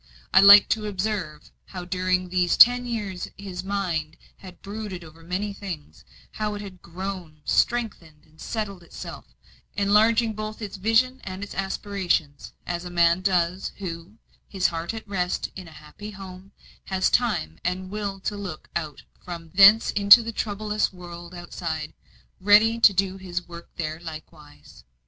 I liked to observe how during these ten years his mind had brooded over many things; how it had grown, strengthened, and settled itself, enlarging both its vision and its aspirations; as a man does, who, his heart at rest in a happy home, has time and will to look out from thence into the troublous world outside, ready to do his work there likewise.